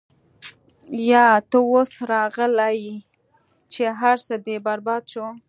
يا تۀ اوس راغلې چې هر څۀ دې برباد شو -